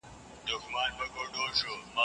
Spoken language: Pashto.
موږ باید د اوبو د ککړتیا مخه ونیسو.